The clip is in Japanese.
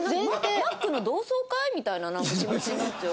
マックの同窓会？みたいな気持ちになっちゃう。